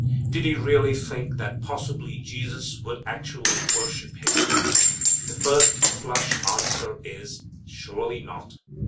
Did he really think that possibly Jesus would actually worship him? The first flush answer is, surely not.